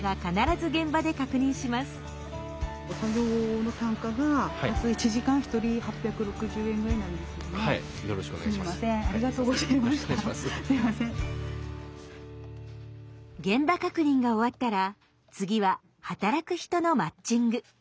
現場確認が終わったら次は働く人のマッチング。